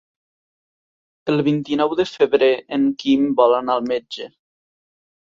El vint-i-nou de febrer en Quim vol anar al metge.